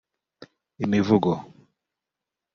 Imivugo